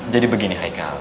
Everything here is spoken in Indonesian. jadi begini haikal